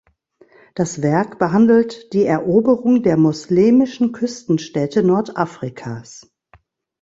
Das Werk behandelt die Eroberung der moslemischen Küstenstädte Nordafrikas.